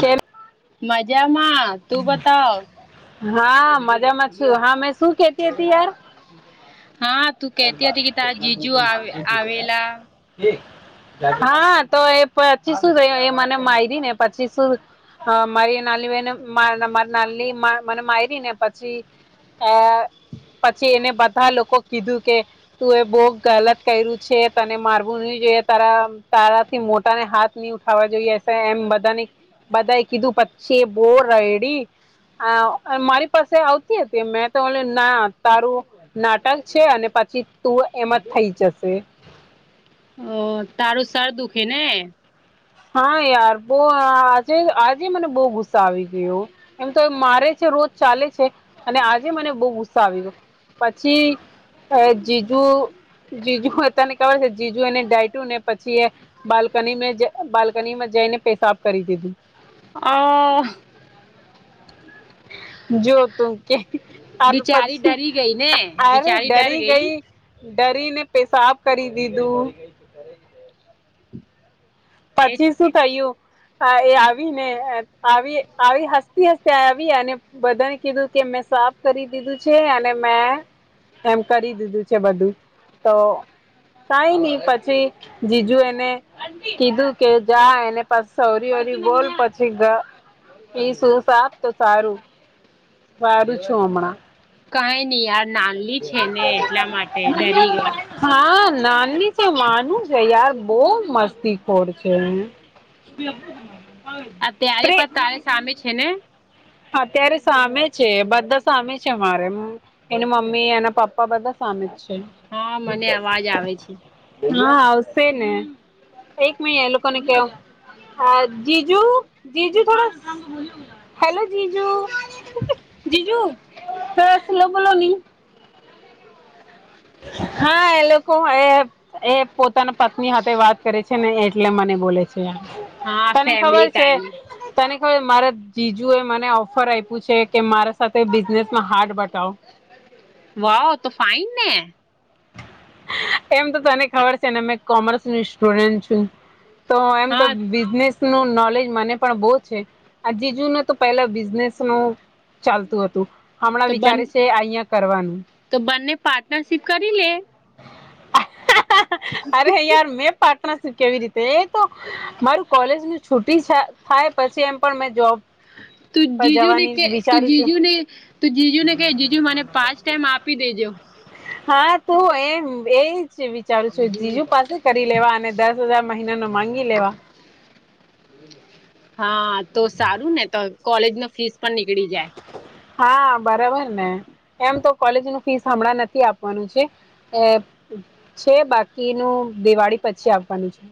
કેમ મજામાં, તું બતાવ? હા, મજામાં છું, હા મેં શું કેતી ટી તી યાર હા તું કેતી હતી કે તારા જીજુ આવે આવેલા હા તો એ પછી શું થયુ, એ મને માયરીને પચી શું, અ મારી નાલ્હી બેને માર મા નાલ્હી મા મને મયારીને પછી, આ પછી એને બધા લોકો કીધું કે તું એ બહુ ગલત કર્યું છે, તને મારવું નહી જોઈએ, તારા તારાથી મોટાને હાથ ની ઉઠાવવા જોઈએ, એસે એમ બધાને બધાએ કીધું, પછી એ બો રઈડી આવ અ મારી પાસે આવતી હતી, મેં તો ઓલે ના તારું નાટક છે, અને પછી તું એમજ થઈ જશે. ઓહ! તારું સાર દુઃખે ને? હા યાર, બહુ આ આજે આજે મને બહુ ગુસ્સા આવી ગયો. એમ તો એ મારે છે રોજ ચાલે છે, અને આજે મને બહુ ગુસ્સા આવી ગયો. પછી, અ જીજુ જીજુ એ તને ખબર છે, જીજુ એને ડાયટું, ને પછી એ બાલ્કનીમે જ બાલ્કનીમાં જઈને પેશાબ કરી દીધું. અ જો તું કે અ બિચારી પછી ડરી ગઈ ને અરે બિચારી ડર ડરી ગઈ ડરી ને પેશાબ કરી દીધું એ પચીસ નું થયયું હા એ આવી ને આવી આવી હસતી હસતી આવી અને બધાને કીધું કે મેં સાફ કરી દીધું છે અને મેં એમ કરી દીધું છે બધું તો કઈ નહી પછી જીજુ એને કીધું કે જા એને પાછ સરી ઓરી બોલ પછી પઈ શું સાપ તો સારું વાર ચોમણા કઈ નહી ડરી મ ગઈ હા નાની તો માનું છે યાર બહ મસ્તીખોર છે શ અત્યારે પણ તારે સામે છે ને અત્યારે સામે છે બધા સામે છે મામારે એની મમ્મી એના પપ્પા બધા સામે જ છે હા મને અવાજ આવે છે હા આવશે ને એક મિ એ લોકોને કેવ હા જીજુ જીજુ થોડા હેલો જીજુ જીજુ તસલો બલોની હા એ લોકો એ પોતાના પત્ની સાથે વાત કરે છે ને એટલે મને બોલે છે હા તને ખબર ફેમિલી છે ટાઈમ તને કહેય મારા જીજુ એ મને ઓફર આપ્યું છે કે મારા સાથે બિઝનેસમાં હાર્ડ બતાવો વાહ તો ફાઇનને એમ તો તને ખબર છે ને મે કોમર્સ નું સ્ટુડન્ટ છું તો એમ તો હા બિઝનેસ નું નોલેજ મને પણ બહુ છે આજજુને તો પેલા બિઝનેસ નું ચાલતું હતું હમણાં તો બન વિચારે છે અહં કરવાનું તો બંને પાર્ટનરશીપ કરી લે અરે યાર મેં પાર્ટનર શ કેવી રીતે એ તો મારું કોલેજ છુી થાય પછી એમ પણ મે જોબ તું પર જીજુને જવાની કે તું વિચારું છું જીજુને તો જીજુ ને ક જીજુ મને પાંચ ટાઈમ આપી દેજો હા તું એમ એજ વિચારું છું જીજુ પાસે કરી લેવા અને દસ હજાર મહિના ન માંગી લેવા એ લ હા તો સારું ને તો કોલેજ ન ફીસ પણ નીકળી જાય હા બરાબર ને એમ તો કોલેજ ન ફીસ હમણાં નથી આપવાનું છે એ છે બાકીનું દિવાળી પછી આવવાનું છે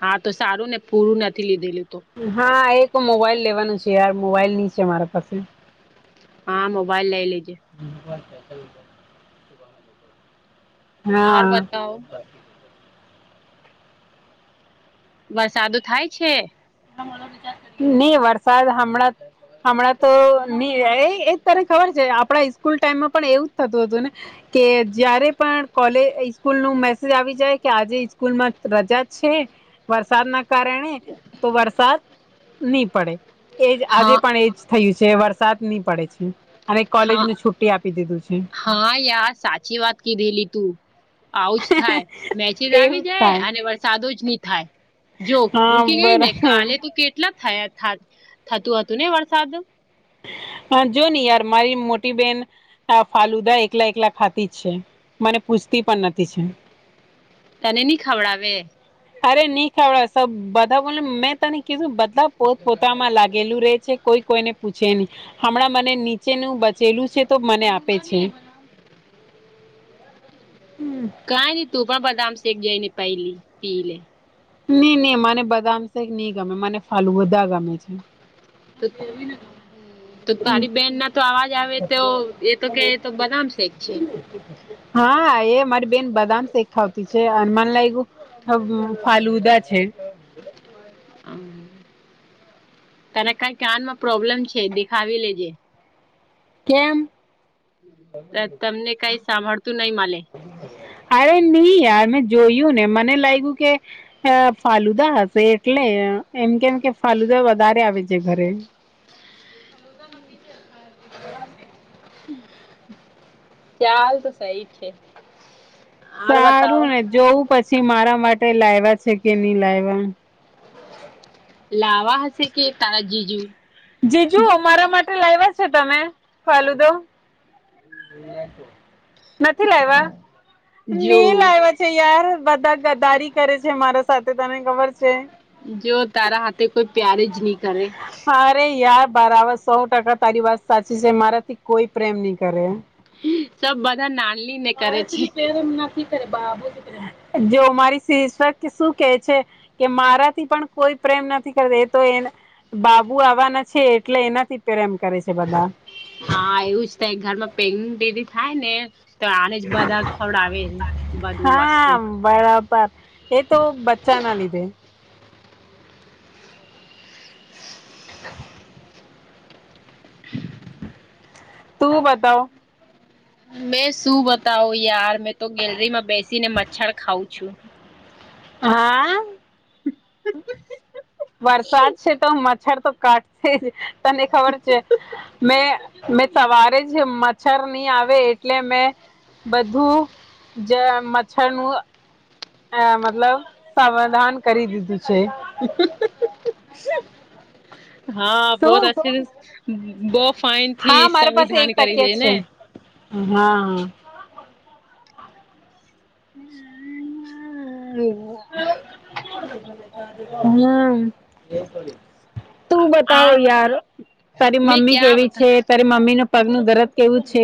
હા તો સારું ને પૂરું નથી લીધેલું તો હા એ મોબાઈલ લેવાનું છે યાર મોબાઈલ ની છે મારા પાસે હા મોબાઈલ લઇ લેજે હ હા બતાવ વરસાદો થાય છે. નહી વરસાદ હમણાં હમણાં તો નહી એ તારે ખબર છે આપડા સ્સ્કૂલ ટાઈમમાં પણ એવું જ થતું હતું ને કે જયારે પણ કોલેકૂલ નું મેસેજ આવી જાય કે આજે સ્સ્કૂલમાં રજા છે વરસાદ ના કારણે તો વરસાદ નહી પડે એજ હા આજે પણ એ થયું છે વરસાદ નહી પડે છે અને હા કોલેજને છુટ્ટી આપી દીધું છે હા યા સાચી વાત કીધેલી તું. આવુંજ થાય મેચેજ એવું આવી જાય થાય અને વરસાદો જ નહી થાય. જો હા રૂકી ગઈ ને બરાબર કાલે તો કેટલા થયા થા થતું હતું ને વરસાદ આ જોને યાર મારી મોટી બેન આ ફાલુદા એકલા એકલા ખાતી જ છે મને પૂછતી પણ નથી છે. તને નહી ખવડાવે? અરે ની ખાવડા સબ બધા બો મેં તને કીધું બધા પોત પોતામાં લાગેલું રે છે. કોઈ કોઈને પૂછે નહી હમણાં મને નીચેનું બચેલું છે તો મને આપે છે એ હમ્મ. કાઈ નહી તું પણ બદામ શેક લઈ ને પેલી પીલે. ની ની મને બદામ શેક નહી ગમે મને ફાલુદા ગમે છે. [inaudible] તો તારી બેન ના તો અવાજ આવે તો એ તો કે એ તો બદામ શેક છે. હા એ મારી બેન બદામ શેક છે અન મને લાગ્યું અ ફાલુદા છે. [inaudible] તને કઈ કાનમાં પ્રોબ્લેમ છે દેખાવી લેજે. કેમ? ત તમને કઈ સાંભળતું નહી માલે. અરે નહી યાર મેં જોયું ને મને લાય ગુ કે. અ ફાલુદા હશે એટલે એમ કેમ કે ફાલુદા વધારે આવે છે ઘરે. ચાલ તો સહી છે. આર સારું બતાવો ને જોવું પછી મારા માટે લાયવા છે કે નઈ લાયવા. લાવા હશે કે તારા જીજુ. જીજુ અમારા માટે લાવ્યા છે તમે ફાલુદો? નથી લાયવા? જો ની લાયવા છે યાર બધા ગદારી કરે છે મારા સાથે તને ખબર છે. જો તારા હાથે કોઈ પ્યાર જ ની કરે. અરે યાર બારબર સો ટકા તારી વાત સાચી છે મારાથી કોઈ પ્રેમ ની કરે. સબ બધા ના. [unintelligible] જો મારી [unintelligible] શું કે છે? કે મારાથી પણ કોઈ પ્રેમ નથી કર એ તો એ બાબુ આવવાના છે એટલે એનાથી જ પ્રેમ કરે છે બધા. હા એવું જ થાય ઘરમાં પેલુ બેબી થાય ને તો આને બધા ખવડાવે છે બધું વસ્તુ. હા બરાબર એ તો બચ્ચા ના લીધે. [inaudible] તું બતાવ. મેં શું બતાવુ યાર મેં તો ગેલરીમાં બેસી ને મચ્છર ખાઉં છું. હા. વરસાદ છે તો મચ્છર તો કાટશે જ તને ખબર છે મેં મેં સવારે છે મચ્છર ની આવે એટલે મેં બધું જ મચ્છર નું અ મતલબ સમાધાન કરી દીધું છે. [unintelligible] હા શું? ફઇન થી હા મારા પાસે સંવિધાન એક કરી દે તકિયા ને. છે. હા. હમ્મ. હમ્મ. તું આ બતાવ બતા યાર તારી મેં મમ્મી ક્યા કેવી બતા છે? તારી મમ્મી નું પગ નું દરદ કેવું છે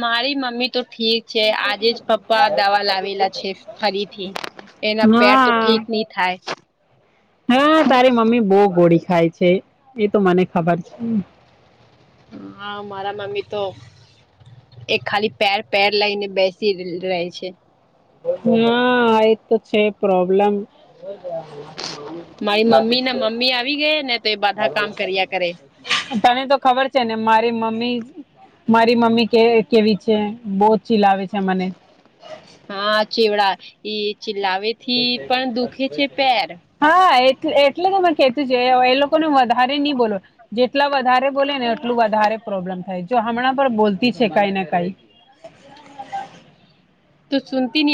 મારી મમ્મી તો ઠીક આજે જ પપ્પા દવા લાવેલા છે ફરીથી એના પેર તો હા. ઠીક નહી. થાય છ. હા તારી મમ્મી બહુ ગોળી ખાય છે એ તો મને ખબર છે. હા મારા મમ્મી તો. એ ખાલી પેર લઈને બેસી રહે છે. આ તો છે હા પ્રોબ્લેમ. મારી મમ્મી ને મમ્મી આવી ગઈ ને તો એ બધા કામ કર્યા કરે [unintelligible] તને તો ખબર છે ને મારી મમ્મી મારી મમ્મી કેવી છે મને બહુ જ ચીલાવે છે. હા ચેવડા એ ચિલ્લાવે થી પણ દુખે છે પેર હા એટલે જ અમે કહીએ છે એ લોકોને વધારે નહી બોલો. જેટલા વધારે બોલે ને એટલું વધારે પ્રોબ્લેમ થાય જો હમણાં પણ બોલતી તી કંઈ ને કંઈ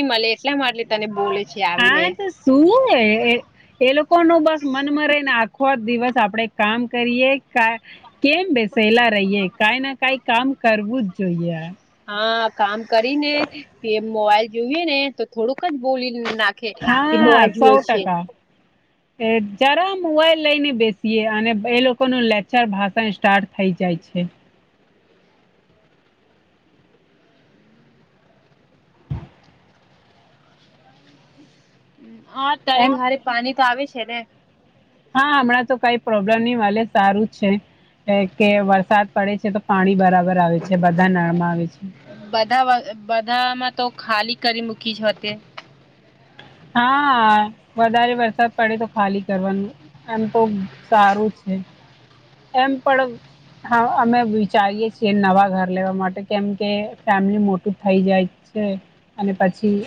મળે તુ એટલા માટે તને બોલે છે આવીને તુ સુનતી નથી. સુવુ એ એ લોકો ના બસ મનમાં રહી ને આખો આપણેે દિવસમા કામકાજ કરીએ કેમ બેસેલા રહીએ કાઈ ના કાઈ કામ કરવું જ જોઈએ હા કામ કરીને જ મોબાઈલ જોઈએ ને તો થોડુંક બોલી નાખ હા સૌ ટકા એ જરા મોબાઈલ લઈ ને બેસીએ અને એ લોકો નુ લેક્ચર ભાષણ સ્ટાર્ટ થઈ જાય છે હા અત્યારે એમ ઘરે પાણી તો આવે છે ને હા હમણાં તો કઈ પ્રોબ્લેમ નહી વાલે સારૂ જ છે વરસાદ પડે છે તો પાણી બરાબર આવે છે કે બધા નળમાં બધા બધામાં તો તે ખાલી કરી મૂકી છે. હા વધારે વરસાદ પડે તો ખાલી કરવાનું એમ તો સારું છે એમ પણ હા અમે વિચારીએ છીએ. નવા ઘર લેવા માટે કેમ કે ફેમિલી મોટું થઈ જાય છે. અને પછી.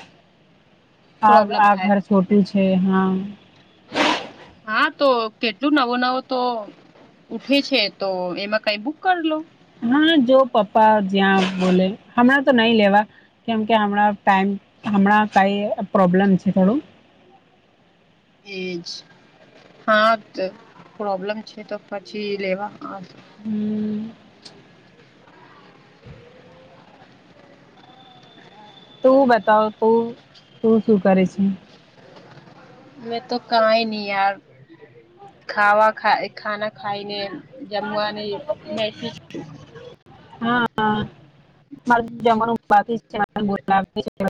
આગ પ્રોબ્લેમ આગ થાય ઘર છોટું છે હા. નવો નવો તો કેટલો હતો ઉઠે છે તો એમાં કંઈ બુક કરી લો હા પપ્પા જ્યાં બોલે જો હમણાં તો નહી લેવા કેમ કે હમણાં થોડુંક ટાઈમ. કાય પ્રોબ્લેમ છે ખરૂ એજ હા તો પ્રોબ્લેમ છે તો પછી રેવાનો જ ટુ ઉ ઉ. તું બતાવ તું. તું શું કરે છે. મેં તો કાંઈ નહી યાર ખાવા ખ ખાના ખાય ને. હા આ આ. માર જમવાનું બાકી છે મને બોલાવતી જે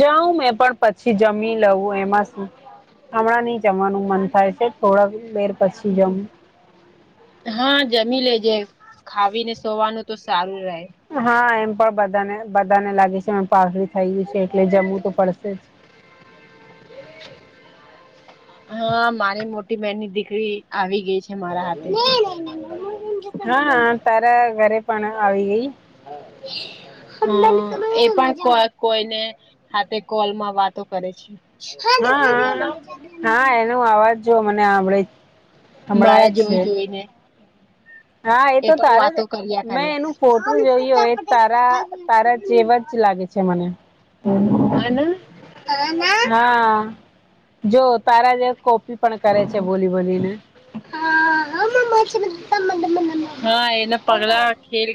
જાઉં મેં પણ પછી પછી જમી લવું એમાં શું હમણાં નઈ જમવાનું મન થાય થોડાક વાર પછી જમુ. હા જમી લેજે ખાયને સોવાનું તો સારૂ રહે. હા એમ પણ બધાને લાગે છે હુ પાતડી થય ગય છે એટલે જમવું તો પડશે જ. હા મારી મોટી બહેનની દીકરી આવી ગઈ છે. મારા હાથે હમ હા તારા ઘરે પણ આવી ગય હા એ પણ કોઈ કોઈને. હા તે કોલમાં વાતો કરે છે. હા. હા એનો અવાજ જો મને આવડે છે. મારા જોઈ જોઈ ને હા એ તો તારા જ કર્યા મેં કરે. એનું ફોટોજોય હો એ તારા તારા જેવા જ લાગે છે. [unintelligible] હા જો તારા જે કોપી પણ કરે છે બોલી બોલીને [unintelligible]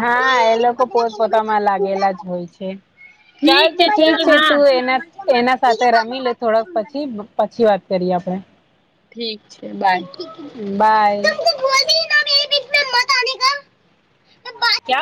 હા એ લોકો પોત પોતામાં લાગેલા જ હોય ચાલ તો ઠીક છે તું એના એના સાથે રમી લે થોડાક પછી પછી વાત કરીએ આપણે ઠીક છે બાય બાય